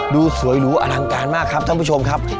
ดูสวยหรูอลังการมากครับท่านผู้ชมครับ